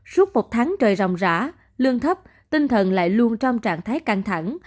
suốt một tháng trời ròng rã lương thấp tinh thần lại luôn trong trạng thái căng thẳng